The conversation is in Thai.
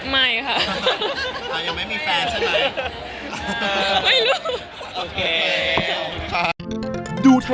ไม่ค่ะ